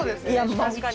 確かに。